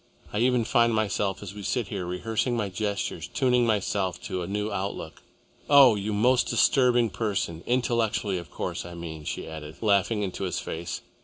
I even find myself, as we sit here, rehearsing my gestures, tuning myself to a new outlook. Oh! You most disturbing person intellectually of course, I mean," she added, laughing into his face.